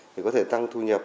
thì có thể tăng thu nhập